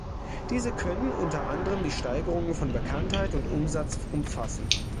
Diese können unter anderem die Steigerung von Bekanntheit und Umsatz umfassen.